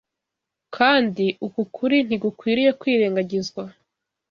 kandi uku kuri ntigukwiriye kwirengagizwa